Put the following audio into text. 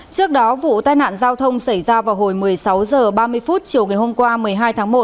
trước đó vụ tai nạn giao thông xảy ra vào hồi một mươi sáu h ba mươi chiều ngày hôm qua một mươi hai tháng một